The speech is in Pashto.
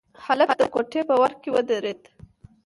هلک د کوټې په وره کې ودرېد.